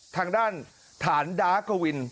ทางด้านฐานดากวิน